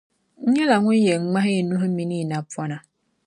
N nyɛla ŋun yɛn ŋmahi yi nuhi mini yi napɔna.